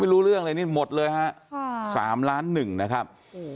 ไม่รู้เรื่องเลยนี่หมดเลยฮะ๓ล้าน๑นะครับ